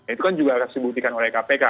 itu kan juga harus dibuktikan oleh kpk